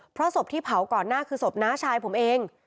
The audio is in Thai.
เพราะศพที่เผาก่อนหน้าคือศพน้าชายผมเอง